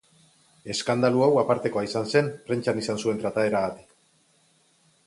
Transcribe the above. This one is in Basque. Eskandalu hau apartekoa izan zen, prentsan izan zuen trataeragatik.